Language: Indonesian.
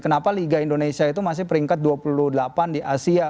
kenapa liga indonesia itu masih peringkat dua puluh delapan di asia